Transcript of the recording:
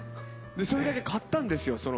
それだけ買ったんですよ